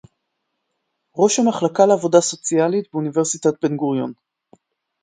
ראש המחלקה לעבודה סוציאלית באוניברסיטת בן-גוריון